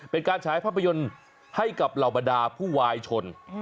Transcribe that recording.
เป็นการฉายภาพยนตร์ให้กับเหล่าบรรดาผู้วายชน